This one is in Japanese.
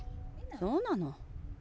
そうなの？